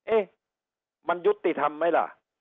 เอ๊ะมันยุติธรรมไหมล่ะ